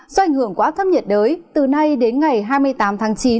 do ảnh hưởng của áp thấp nhiệt đới từ nay đến ngày hai mươi tám tháng chín